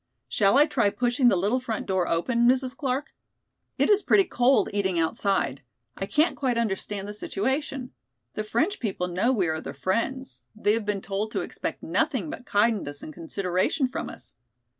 "Shall I try pushing the little front door open, Mrs. Clark? It is pretty cold eating outside. I can't quite understand the situation. The French people know we are their friends; they have been told to expect nothing but kindness and consideration from us.